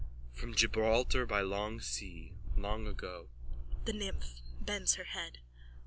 From Gibraltar by long sea long ago. THE NYMPH: _(Bends her head.)